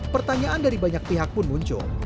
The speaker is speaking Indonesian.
pertanyaan dari banyak pihak pun muncul